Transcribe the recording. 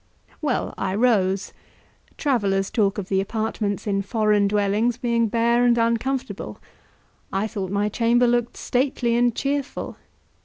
Well I rose. Travellers talk of the apartments in foreign dwellings being bare and uncomfortable; I thought my chamber looked stately and cheerful.